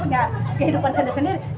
punya kehidupan sendiri sendiri